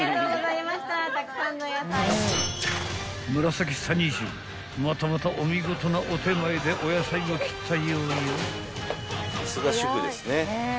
［紫三人衆またまたお見事なお点前でお野菜を切ったようよ］